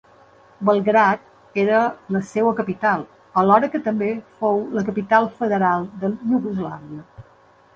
Belgrad era la seua capital, alhora que també fou la capital federal de Iugoslàvia.